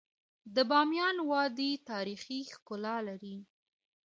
د بامیان وادی تاریخي ښکلا لري.